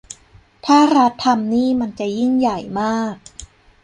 ถ้ารัฐทำนี่มันจะยิ่งใหญ่มาก